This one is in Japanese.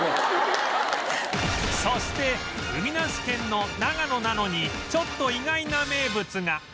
そして海なし県の長野なのにちょっと意外な名物が